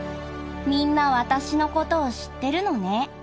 みんなわたしのことをしってるのね？』